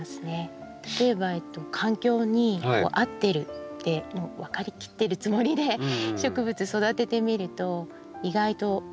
例えば環境に合ってるって分かりきってるつもりで植物育ててみると意外とそこの環境